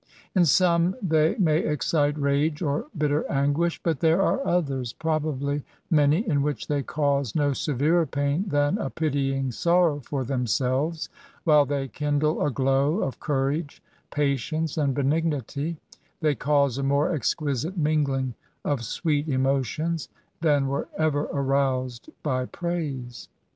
In some they may excite rage or bitter anguish; but there are others, — probably many, — in which they cause no severer pain than a pitying sorrow for themselves, while they kindle a glow of courage, patience, and benignity, — they cause a more exquisite mingling of sweet emotions^ — ^than were ever aroused by praise.